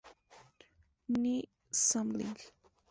Ny Samling.